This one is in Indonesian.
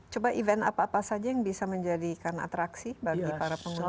coba event apa apa saja yang bisa menjadikan atraksi bagi para pengunjung